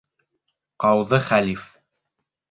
Ҡауҙы хәлиф